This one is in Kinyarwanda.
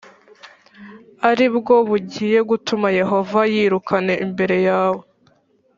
Ari bwo bugiye gutuma yehova ayirukana imbere yawe